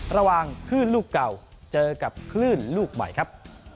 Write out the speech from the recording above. ระหว่างคลื่นลูกเก่าเจอกับคลื่นลูกใหม่ครับ